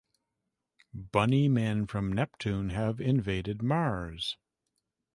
Bunny men from Neptune have invaded Mars!